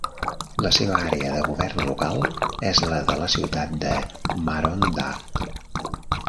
La seva àrea de govern local és la de la ciutat de Maroondah.